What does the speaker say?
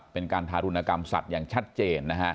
เป็นการทารุณกรรมสัตว์อย่างชัดเจนนะฮะ